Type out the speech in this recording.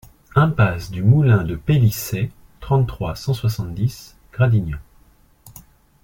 Impasse du Moulin de Pelissey, trente-trois, cent soixante-dix Gradignan